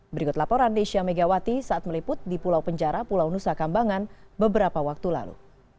berikut laporan desya megawati saat meliput di pulau penjara pulau nusa kambangan beberapa waktu lalu